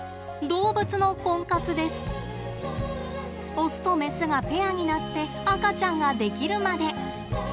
オスとメスがペアになって赤ちゃんができるまで。